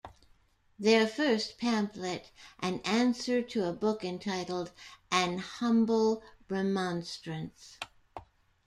Their first pamphlet, An Answer to a book entitled, An Humble Remonstrance.